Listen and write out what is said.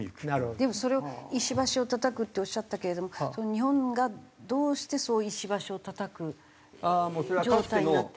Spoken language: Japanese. でもそれを石橋をたたくっておっしゃったけれども日本がどうして石橋をたたく状態になってるんですか？